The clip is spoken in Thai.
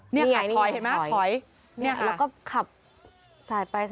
นี่ค่ะถอยเห็นไหมถอยแล้วก็ขับสายไป